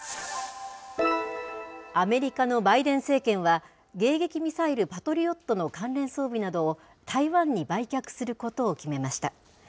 アメリカのバイデン政権は、迎撃ミサイル、パトリオットの関連装備などを台湾に売却することを決めました。